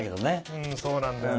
うんそうなんだよね。